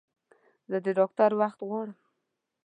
زه د ډاکټر وخت غواړم